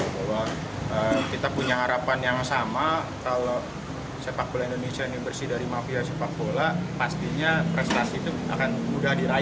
bahwa kita punya harapan yang sama kalau sepak bola indonesia ini bersih dari mafia sepak bola pastinya prestasi itu akan mudah diraih